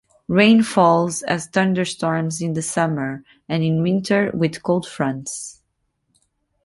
Rain falls as thunderstorms in the summer, and in winter with cold fronts.